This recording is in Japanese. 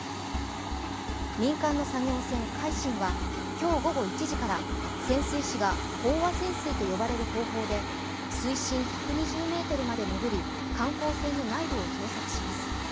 民間の作業船「海進」は今日午後１時から潜水士が飽和潜水と呼ばれる方法で水深１２０ｍまで潜り、観光船の内部を捜索します。